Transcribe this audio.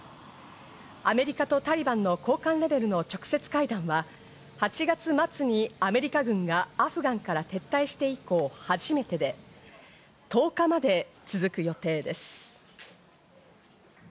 アメリカとタリバンの高官レベルの直接会談は、８月末にアメリカ軍がアフガンから撤退して以降初めてで、１０日まで続く予定です。